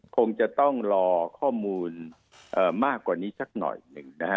คงจะต้องรอข้อมูลมากกว่านี้สักหน่อยหนึ่งนะฮะ